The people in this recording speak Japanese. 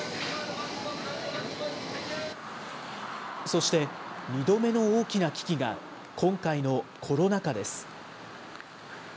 そして、２度目の大きな危機が今回のコロナ禍です。